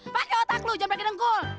pakai otak lu jangan pake dengkul